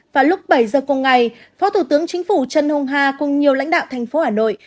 và lúc bảy giờ công ngày phó thủ tướng chính phủ trân hùng hà cùng nhiều lãnh đạo thành phố hà nội